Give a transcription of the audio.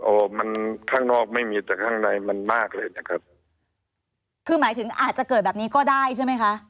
มันข้างนอกไม่มีแต่ข้างในมันมากเลยนะครับคือหมายถึงอาจจะเกิดแบบนี้ก็ได้ใช่ไหมคะ